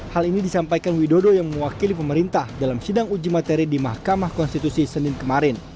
hal ini disampaikan widodo yang mewakili pemerintah dalam sidang uji materi di mahkamah konstitusi senin kemarin